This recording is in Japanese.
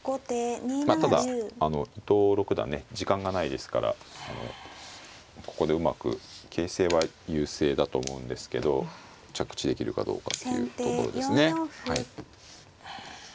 まあただ伊藤六段ね時間がないですからここでうまく形勢は優勢だと思うんですけど着地できるかどうかっていうところですねはい。